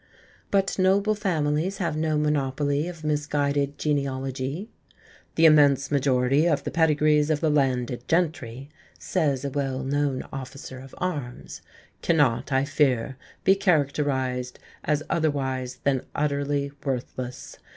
But "noble" families have no monopoly of misguided genealogy. "The immense majority of the pedigrees of the landed gentry," says a well known officer of arms, "cannot, I fear, be characterised as otherwise than utterly worthless.